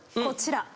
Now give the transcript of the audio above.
こちら。